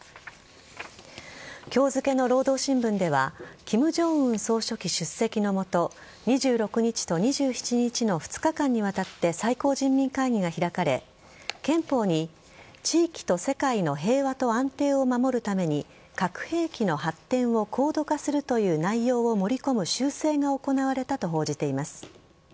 今日付の労働新聞では金正恩総書記出席のもと２６日と２７日の２日間にわたって最高人民会議が開かれ憲法に、地域と世界の平和と安定を守るために核兵器の発展を高度化するという内容を盛り込む修正が行われたと報じています。